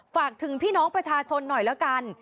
ฝากถึงพี่น้องประชาชนหน่อยแล้วกัน